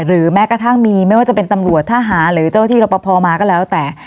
แม้กระทั่งมีไม่ว่าจะเป็นตำรวจทหารหรือเจ้าที่รับประพอมาก็แล้วแต่